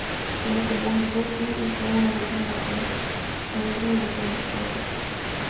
Como compositor tiene registrado una docena de temas, con letra de diferentes poetas.